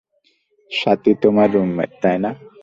স্বাতী তোমার রুমমেট, তাই না?